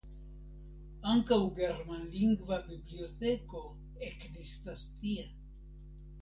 Ankaŭ germanlingva biblioteko ekzistas tie.